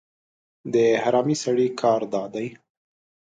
د حرامي سړي کار دا دی